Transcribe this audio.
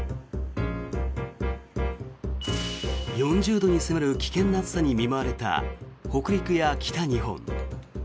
４０度に迫る危険な暑さに見舞われた北陸や北日本。